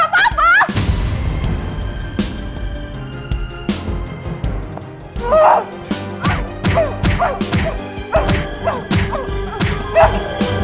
kamu beli perhiasan buat perempuan ini ditemburui sama pacar kamu terus kamu nanya gak apa apa